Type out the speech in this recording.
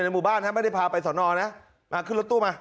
ในบุหรี่บาร่ะไม่ได้พาไปสนนะขึ้นรถตู้มา